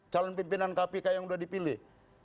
calon pimpinan kpk yang sudah dipilih